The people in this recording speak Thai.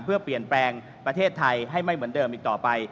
เพื่อเปลี่ยนแปลงประเทศไทยให้ไม่เหมือนเดิมอีกต่อไป